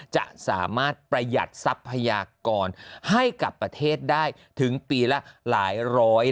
จะสามารถประหยัดทรัพยากรให้กับประเทศได้ถึงปีละหลายร้อย